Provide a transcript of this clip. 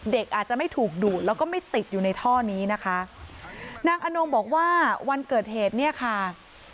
เด็กอาจจะไม่ถูกดูดแล้วก็ไม่ติดอยู่ในท่อนี้นะคะนางอนงบอกว่าวันเกิดเหตุเนี่ยค่ะ